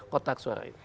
kotak suara itu